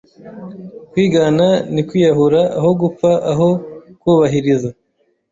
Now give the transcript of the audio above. Kwigana ni kwiyahura, aho gupfa aho kubahiriza